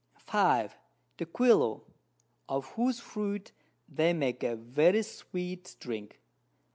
5. The Quelu, of whose Fruit they make a very sweet Drink.